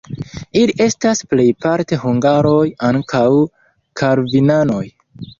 Ili estas plejparte hungaroj, ankaŭ kalvinanoj.